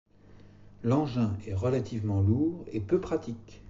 L'engin est relativement lourd et peu pratique.